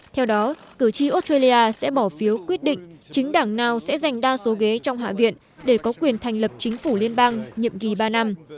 theo đó cử tri australia sẽ bỏ phiếu quyết định chính đảng nào sẽ giành đa số ghế trong hạ viện để có quyền thành lập chính phủ liên bang nhiệm kỳ ba năm